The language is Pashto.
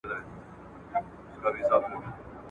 تر دغه اعتراف او تشهد وروسته ئې هغه پريښاوه او قتل ئې نکړ.